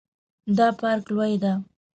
دا پارک لوی ده